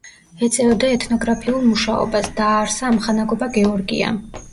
ეწეოდა ეთნოგრაფიულ მუშაობას, დააარსა ამხანაგობა „გეორგია“.